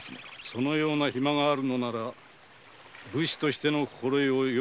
そのような暇があるのなら武士としての心得をよく学ぶのじゃな。